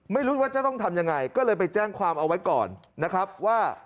ไม่รู้ว่าจะต้องทำยังไงก็เลยไปแจ้งความเอาไว้ก่อนนะครับว่า